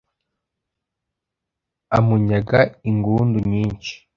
amunyaga ingundu, nyinshi